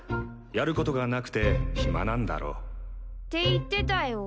やることがなくて暇なんだろって言ってたよ。